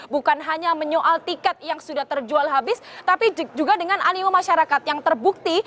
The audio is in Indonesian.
bukan hanya menyoal tiket yang sudah terjual habis tapi juga dengan animo masyarakat yang terbukti